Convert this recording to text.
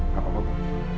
gak apa apa bu